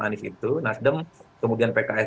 anies itu nasdem kemudian pks